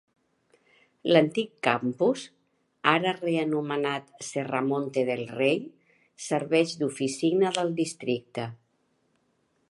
L'antic campus, ara reanomenat Serramonte del Rey, serveix d'oficina del districte.